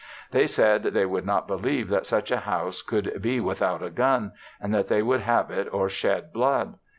They said they would not believe that such a house could be without a gun and that they would have it or shed blood.